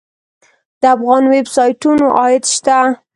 د افغاني ویب سایټونو عاید شته؟